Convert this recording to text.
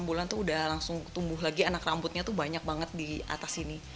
enam bulan itu sudah langsung tumbuh lagi anak rambutnya banyak banget di atas sini